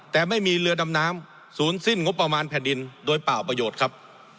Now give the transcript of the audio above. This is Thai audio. แต่ไม่มีเรือดำน้ำศูนย์สิ้นงบประมาณแผ่นดินโดยเปล่าประโยชน์ครับ